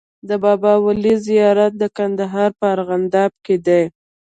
د بابا ولي زيارت د کندهار په ارغنداب کی دی